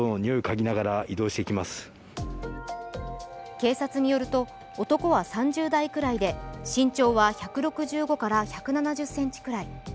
警察によると男は３０代くらいで、身長は１６５１７０ｃｍくらい。